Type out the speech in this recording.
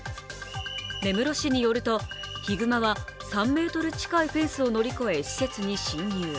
根室市によるとヒグマは３ｍ近いフェンスを乗り越え、施設に侵入。